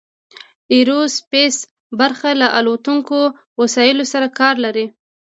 ایرو سپیس برخه له الوتونکو وسایلو سره کار لري.